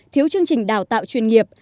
thiếu chương trình đào tạo chuyên nghiệp